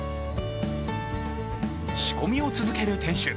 仕込みを続ける店主。